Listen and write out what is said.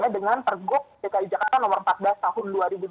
dengan pergub dki jakarta nomor empat belas tahun dua ribu dua puluh